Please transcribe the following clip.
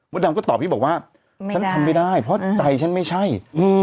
ดำก็ตอบพี่บอกว่าฉันทำไม่ได้เพราะใจฉันไม่ใช่